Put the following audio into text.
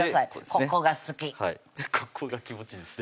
ここが気持ちいいですね